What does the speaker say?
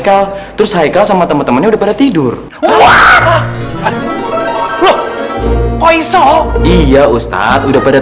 ke terus haikal sama teman temannya udah tidur wah loh koi so iya ustadz udah pada